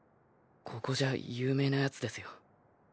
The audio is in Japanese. ここじゃ有名な奴ですよ。